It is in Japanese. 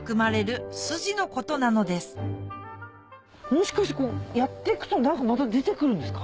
もしかしてやってくと何かまた出てくるんですか？